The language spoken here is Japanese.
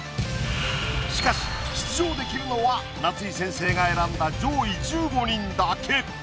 しかし出場できるのは夏井先生が選んだ上位１５人だけ。